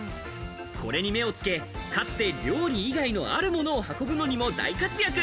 これに目をつけ、かつて料理以外のあるものを運ぶのにも大活躍！